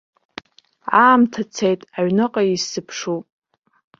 Аамҭа цеит, аҩныҟа исзыԥшуп.